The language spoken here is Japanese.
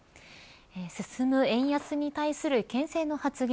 進む円安に対するけん制な発言